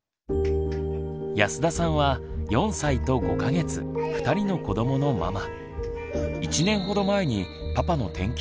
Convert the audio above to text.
安田さんは４歳と５か月２人の子どものママ。